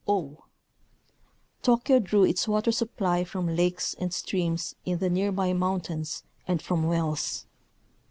o. Tokyo drew its water supply from lakes and streams in the near by mountains and from wells.